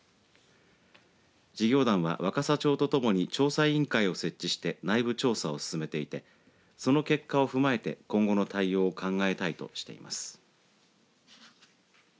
事業団は若桜町とともに調査委員会を設置して内部調査を進めていてその結果を踏まえて今後の対応を考えたいとしています。